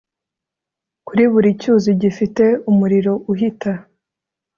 Kuri buri cyuzi gifite umuriro uhita